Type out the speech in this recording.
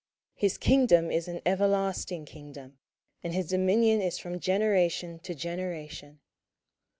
his kingdom is an everlasting kingdom, and his dominion is from generation to generation.